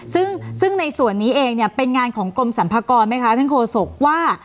ซึ่งในส่วนนี้เองเนี่ยเป็นงานของกรมสรรพากรไหมคะท่านโฆษกว่า